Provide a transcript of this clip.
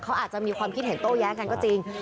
เขาอาจจะมีความคิดเห็นโต้แย้งกันก็จริง